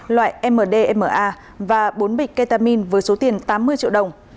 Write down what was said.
loại mdma và bốn bịch ketamin với số tiền tám mươi triệu đồng